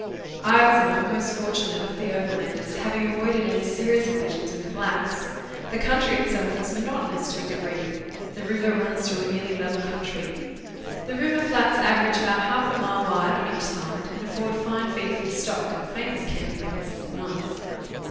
I was among the most fortunate of the overlanders, having avoided any serious collision with the blacks. The country itself was monotonous to a degree ; the river runs through a nearly level country. The river flats average about half a rnile wide on each side, and afford fine feed for the stock, and famous camping places at night.